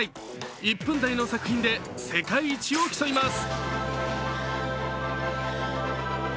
１分台の作品で世界一を競います。